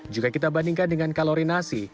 jika kita bandingkan dengan kalori nasi